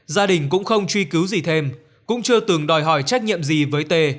gia đình cũng không truy cứu gì thêm cũng chưa từng đòi hỏi trách nhiệm gì với tê